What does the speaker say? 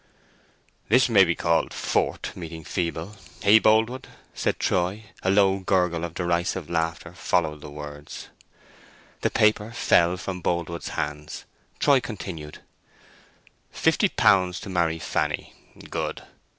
"This may be called Fort meeting Feeble, hey, Boldwood?" said Troy. A low gurgle of derisive laughter followed the words. The paper fell from Boldwood's hands. Troy continued— "Fifty pounds to marry Fanny. Good.